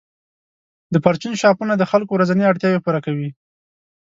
د پرچون شاپونه د خلکو ورځنۍ اړتیاوې پوره کوي.